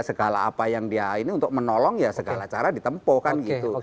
segala apa yang dia ini untuk menolong ya segala cara ditempuh kan gitu